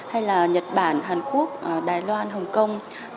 hay là nhật bản hàn quốc đài loan hồng kông